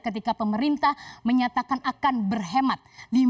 ketika pemerintah menyatakan akan berhemat